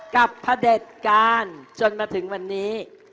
พระเด็จการจนมาถึงวันนี้